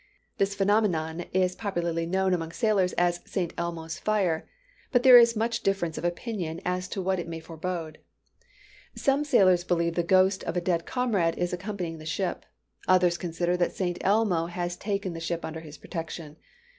This phenomenon is popularly known among sailors as "St. Elmo's fire;" but there is much difference of opinion as to what it may forebode. Some sailors believe the ghost of a dead comrade is accompanying the ship. Others consider that St. Elmo has taken the ship under his protection.